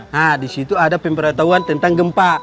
nah di situ ada pemberitahuan tentang gempa